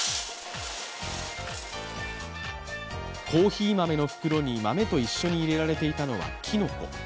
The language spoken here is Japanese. コーヒー豆の袋に豆と一緒に入れられていたのはきのこ。